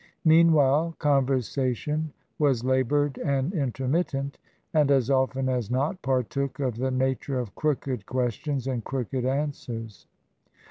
Mean while, conversation was laboured and intermittent, and as often as not partook of the nature of crooked ques tions and crooked answers.